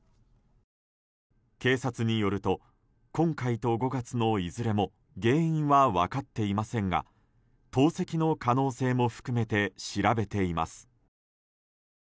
警察によると今回と５月のいずれも原因は分かっていませんが投石の可能性も含めて調べています。